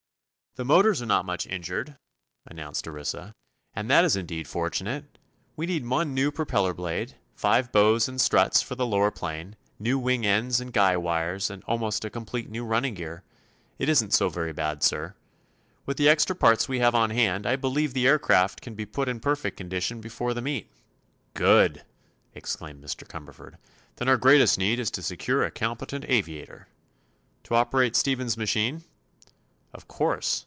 "The motors are not much injured," announced Orissa, "and that is indeed fortunate. We need one new propeller blade, five bows and struts for the lower plane, new wing ends and guy wires and almost a complete new running gear. It isn't so very bad, sir. With the extra parts we have on hand I believe the aircraft can be put in perfect condition before the meet." "Good!" exclaimed Mr. Cumberford. "Then our greatest need is to secure a competent aviator." "To operate Stephen's machine?" "Of course.